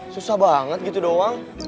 susah banget gitu doang